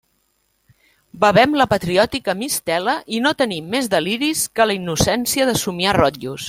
Bevem la patriòtica mistela i no tenim més deliris que la innocència de somiar rotllos.